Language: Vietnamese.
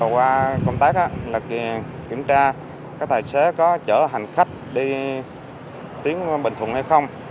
qua công tác là kiểm tra các tài xế có chở hành khách đi tiến bình thuận hay không